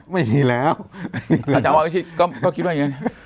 ก็คิดว่าอย่างเนี่ย